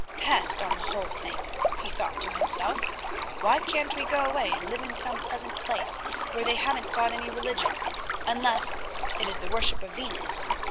"Pest on the whole thing," he thought to himself, "why can't we go away and live in some pleasant place where they haven't got any religion, unless it is the worship of Venus?